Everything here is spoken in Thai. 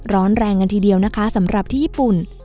ร้อนแรงกันทีเดียวนะคะสำหรับที่ญี่ปุ่น